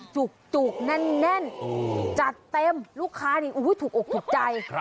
จุกแน่นจัดเต็มลูกค้านี่ถูกอกถูกใจ